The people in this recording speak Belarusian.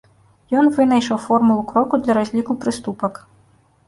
Ён вынайшаў формулу кроку для разліку прыступак.